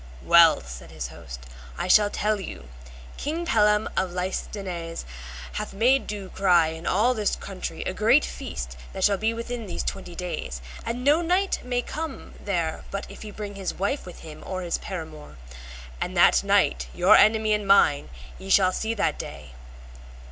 Well, said his host, I shall tell you, King Pellam of Listeneise hath made do cry in all this country a great feast that shall be within these twenty days, and no knight may come there but if he bring his wife with him, or his paramour; and that knight, your enemy and mine, ye shall see that day.